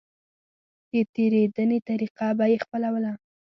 د تېرېدنې طريقه به يې خپلوله.